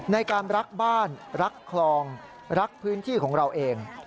ในการรักบ้านรักคลองรักพื้นที่ของเราเอง